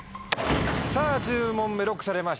さぁ１０問目ＬＯＣＫされました。